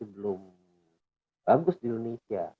bagus di indonesia